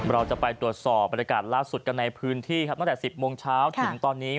เราจะไปตรวจสอบบรรยากาศล่าสุดกันในพื้นที่ครับตั้งแต่๑๐โมงเช้าถึงตอนนี้